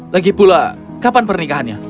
lagi pula kapan pernikahannya